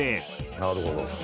「なるほど」